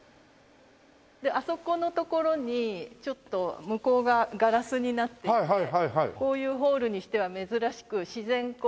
あそこのところにちょっと向こうがガラスになっていてこういうホールにしては珍しく自然光を取り入れて。